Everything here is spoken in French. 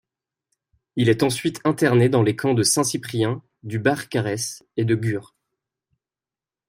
Il est ensuite interné dans les camps de Saint-Cyprien, du Barcarès et de Gurs.